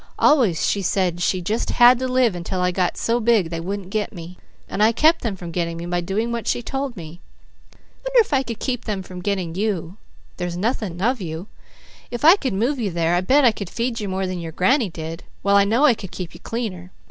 _ Always she said she just had to live until I got so big they wouldn't 'get' me. And I kept them from getting me by doing what she told me. Wonder if I could keep them from getting you? There's nothing of you. If I could move you there, I bet I could feed you more than your granny did, while I know I could keep you cleaner.